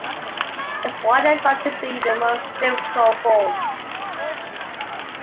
That's widely thought to be the most difficult form.